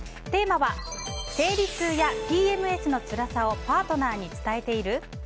テーマは生理痛やＰＭＳのつらさをパートナーに伝えている？